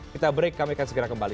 kita break kami akan segera kembali